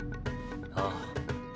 ああ。